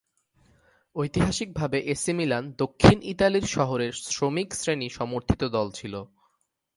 ঐতিহাসিকভাবে AC Milan দক্ষিণ ইতালীর শহরের শ্রমিক শ্রেণী সমর্থিত দল ছিল।